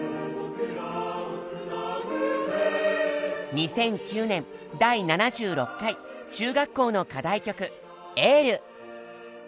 ２００９年第７６回中学校の課題曲「ＹＥＬＬ」。